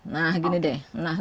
nah gini deh